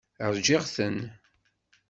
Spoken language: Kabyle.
Ṛjiɣ-ten.